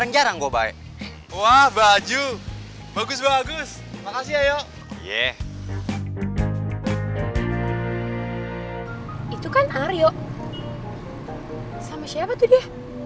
sama siapa tuh dia